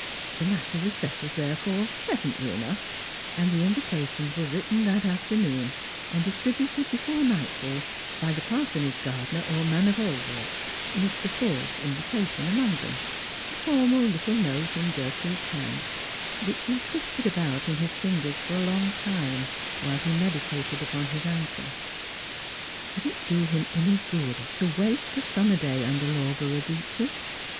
The matter was settled, therefore, pleasantly enough, and the invitations were written that afternoon, and distributed before nightfall by the parsonage gardener or man of all work, Mr. Forde's invitation among them ; a formal Uttle note in Gertrude's hand, which he twisted about in his fingers for a long time while he meditated upon his answer. Would it do him any good to waste a summer day under Law borough Beeches